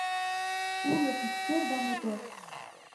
Улыт иктӧр да мотор